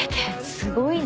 すごいね。